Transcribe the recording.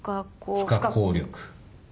「不可抗力」。